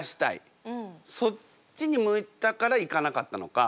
そっちに向いたから行かなかったのか